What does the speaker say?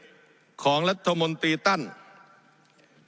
มีล้ำตีตั้นเนี่ยมีล้ำตีตั้นเนี่ย